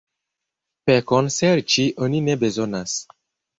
Pekon serĉi oni ne bezonas.